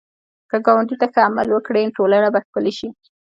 که ګاونډي ته ښه عمل وکړې، ټولنه به ښکلې شي